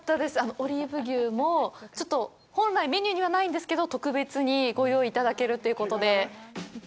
オリーブ牛も本来メニューにはないんですけど特別にご用意いただけるということで。